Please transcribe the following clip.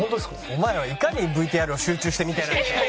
お前らはいかにＶＴＲを集中して見てないか。